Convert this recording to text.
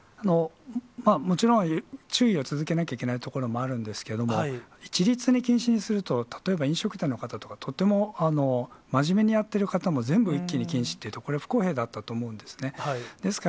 もちろん、注意は続けなきゃいけないところもあるんですけども、一律に禁止にすると、例えば飲食店の方とか、とても、真面目にやってる方も、全部一気に禁止っていうと、これは不公平だったと思うんですね。